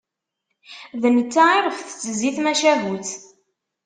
D netta i ɣef tettezzi tmacahut.